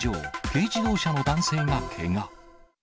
軽自動車の男性がけが。